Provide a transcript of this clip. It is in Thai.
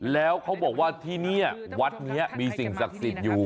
แล้วเขาบอกว่าที่นี่วัดนี้มีสิ่งศักดิ์สิทธิ์อยู่